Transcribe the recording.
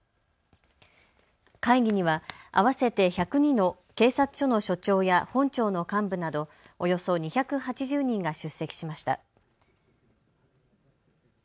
会議には合わせて１０２の警察署の署長や本庁の幹部などおよそ２８０人が出席しました。